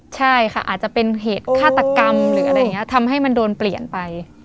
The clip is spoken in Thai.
ใช่ค่ะอาจจะเป็นเหตุฆาตกรรมหรืออะไรอย่างนี้ทำให้มันโดนเปลี่ยนไป